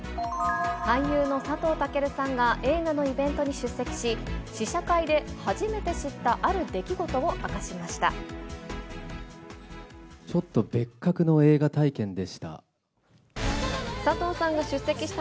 俳優の佐藤健さんが映画のイベントに出席し、試写会で初めて知ったある出来事を明かしました。